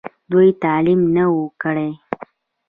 دوي تعليم نۀ وو کړی